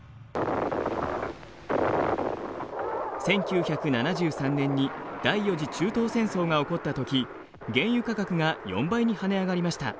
１９７３年に第４次中東戦争が起こった時原油価格が４倍に跳ね上がりました。